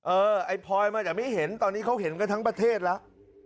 ไอ้พลอยมาแต่ไม่เห็นตอนนี้เขาเห็นกันทั้งประเทศแล้ว